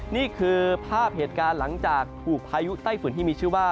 นี่คือภาพเหตุการณ์หลังจากถูกพายุไต้ฝุ่นที่มีชื่อว่า